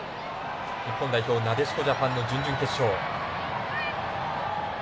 日本代表、なでしこジャパンの準々決勝。